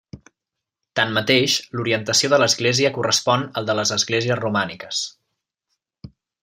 Tanmateix, l'orientació de l'església correspon al de les esglésies romàniques.